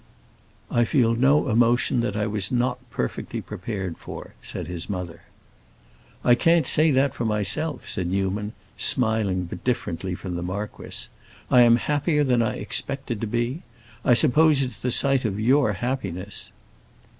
"I feel no emotion that I was not perfectly prepared for," said his mother. "I can't say that for myself," said Newman, smiling but differently from the marquis. "I am happier than I expected to be. I suppose it's the sight of your happiness!"